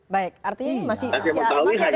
baik artinya ini masih ada